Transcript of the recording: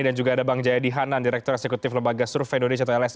dan juga ada bang jayadi hanan direktur eksekutif lembaga survei indonesia atau ls